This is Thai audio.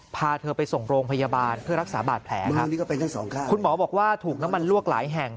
พาเธอไปส่งโรงพยาบาลเพื่อรักษาบาดแผลครับคุณหมอบอกว่าถูกน้ำมันลวกหลายแห่ง